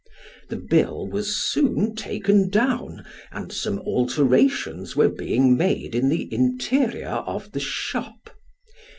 The bill was soon taken down, and some alterations were being made in the interior of the shop.